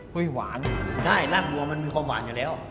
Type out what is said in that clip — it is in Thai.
หวานได้รากบัวมันมีความหวานอยู่แล้ว